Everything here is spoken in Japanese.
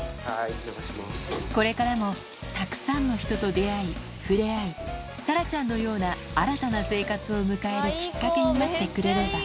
これからもたくさんの人と出会い、触れ合い、サラちゃんのような新たな生活を迎えるきっかけになってくれれば。